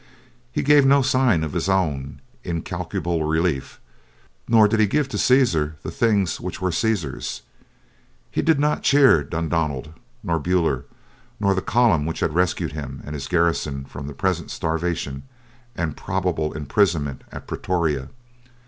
He gave no sign of his own in calculable relief, nor did he give to Caesar the things which were Caesar's. He did not cheer Dundonald, nor Buller, nor the column which had rescued him and his garrison from present starvation and probable imprisonment at Pretoria.